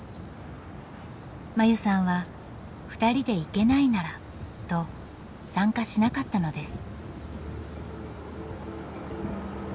真優さんは「ふたりで行けないなら」と参加しなかったのです。